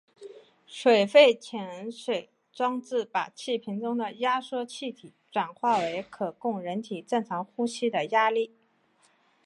水肺潜水装置把气瓶中的压缩气体转化成可供人体正常呼吸的压力。